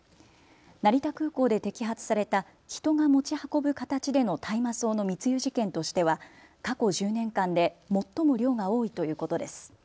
成田空港で摘発された人が持ち運ぶ形での大麻草の密輸事件としては過去１０年間で最も量が多いということです。